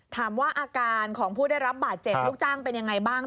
ถามว่าอาการของผู้ได้รับบาดเจ็บลูกจ้างเป็นยังไงบ้าง